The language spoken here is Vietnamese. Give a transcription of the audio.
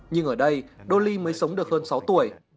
nhưng ở đây do ly mới sống được hơn sáu tuổi